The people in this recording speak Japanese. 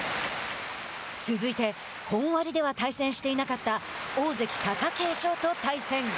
続いて本割では対戦していなかった大関・貴景勝と対戦。